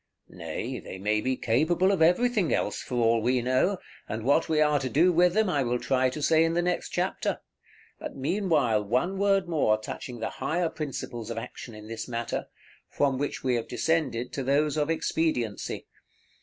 Nay, they may be capable of everything else, for all we know, and what we are to do with them I will try to say in the next chapter; but meanwhile one word more touching the higher principles of action in this matter, from which we have descended to those of expediency.